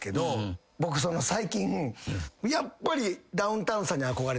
僕最近やっぱり。